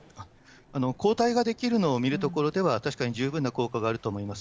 抗体が出来るのを見るところでは、確かに十分な効果があると思います。